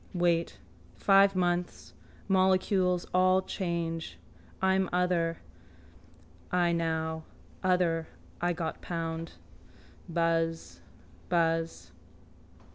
Wait. Five months. Molecules all change. I am other I now. Other I got pound. Buzz. Buzz.